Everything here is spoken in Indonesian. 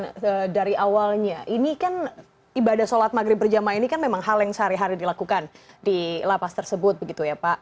nah dari awalnya ini kan ibadah sholat maghrib berjamaah ini kan memang hal yang sehari hari dilakukan di lapas tersebut begitu ya pak